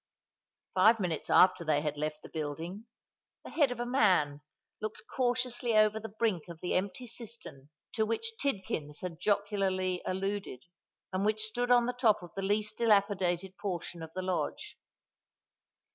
Five minutes after they had left the building, the head of a man looked cautiously over the brink of the empty cistern to which Tidkins had jocularly alluded, and which stood on the top of the least dilapidated portion of the lodge.